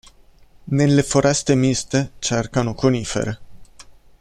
Nelle foreste miste cercano conifere.